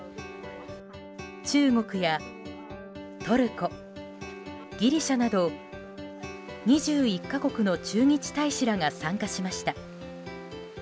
中国やトルコ、ギリシャなど２１か国の駐日大使らが参加しました。